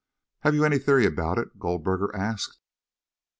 "Have you any theory about it?" Goldberger asked.